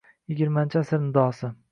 Yigirmanchi asr nidosi.